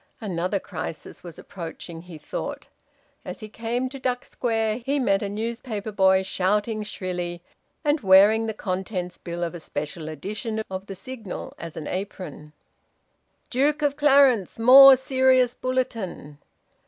Another crisis was approaching, he thought. As he came to Duck Square, he met a newspaper boy shouting shrilly and wearing the contents bill of a special edition of the "Signal" as an apron: "Duke of Clarence. More serious bulletin."